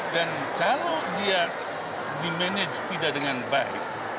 dan kalau dia dimanage tidak dengan baik